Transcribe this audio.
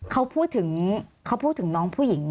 เขาถึงน้องผู้หญิง